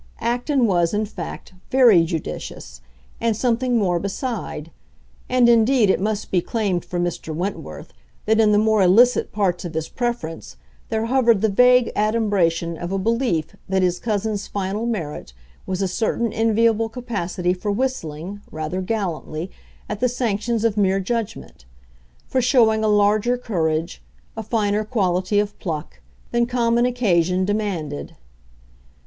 Acton was, in fact, very judicious—and something more beside; and indeed it must be claimed for Mr. Wentworth that in the more illicit parts of his preference there hovered the vague adumbration of a belief that his cousin's final merit was a certain enviable capacity for whistling, rather gallantly, at the sanctions of mere judgment—for showing a larger courage, a finer quality of pluck, than common occasion demanded.